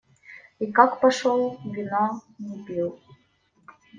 И как пошел, вина не пил.